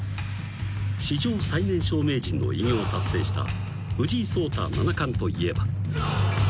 ［史上最年少名人の偉業を達成した藤井聡太七冠といえば］